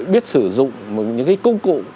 biết sử dụng những cái công cụ